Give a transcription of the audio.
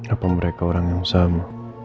apa mereka orang yang sama